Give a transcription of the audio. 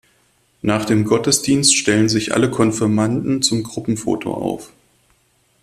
Nach dem Gottesdienst stellen sich alle Konfirmanden zum Gruppenfoto auf.